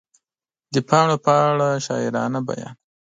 د پاڼو په اړه شاعرانه بیان